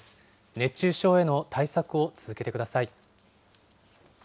熱中症への対策を続けてください。